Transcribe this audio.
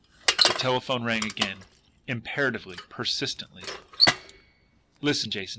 The telephone rang again imperatively, persistently. "Listen, Jason."